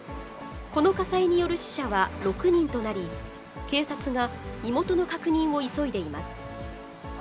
この火災による死者は６人となり、警察が身元の確認を急いでいます。